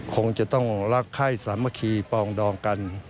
คงจะต้องรักไข้สามัคคีปองดองกัน